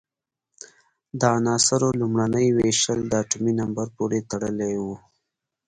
د عناصرو لومړنۍ وېشل د اتومي نمبر پورې تړلی وو.